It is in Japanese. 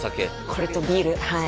これとビールはい